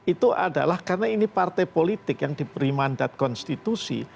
itu adalah karena ini partai politik yang diberi mandat konstitusi